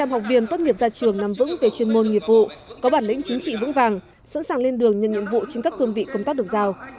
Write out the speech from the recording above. một trăm linh học viên tốt nghiệp ra trường nằm vững về chuyên môn nghiệp vụ có bản lĩnh chính trị vững vàng sẵn sàng lên đường nhân nhiệm vụ trên các cương vị công tác được giao